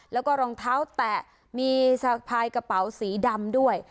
แล้วก็รองเท้าแตะมีสะพายกระเป๋าสีดำด้วย